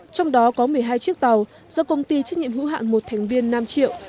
trong đó có một mươi hai chiếc tàu do công ty trách nhiệm hữu hạn một thành viên nam triệu